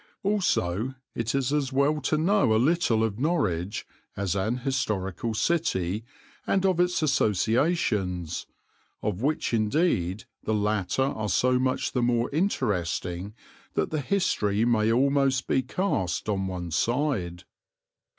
Also it is as well to know a little of Norwich as an historical city and of its associations, of which indeed the latter are so much the more interesting that the history may almost be cast on one side.